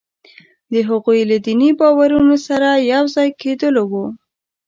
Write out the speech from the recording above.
د هغوی له دیني باورونو سره یو ځای کېدلو وو.